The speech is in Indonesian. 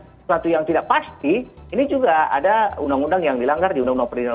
sesuatu yang tidak pasti ini juga ada undang undang yang dilanggar di undang undang perlindungan